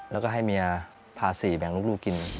แล้วก็ให้เมียพาสี่แบ่งลูกกิน